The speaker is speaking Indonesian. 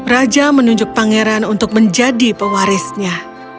raja menunjuk pangeran untuk menjadi pewarisnya